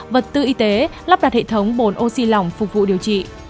vật tư y tế lắp đặt hệ thống bồn oxy lỏng phục vụ điều trị